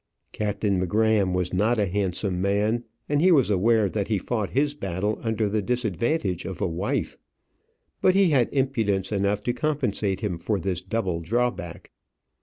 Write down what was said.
Captain M'Gramm was not a handsome man, and he was aware that he fought his battle under the disadvantage of a wife. But he had impudence enough to compensate him for this double drawback.